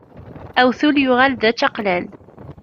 Awtul yuɣal d ačaqlal.